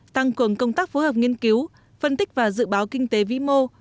tăng cường công tác phối hợp nghiên cứu phân tích và dự báo kinh tế vĩ mô